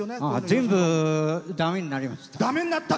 全部、だめになりました。